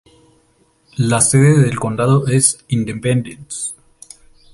La sede del condado es Independence.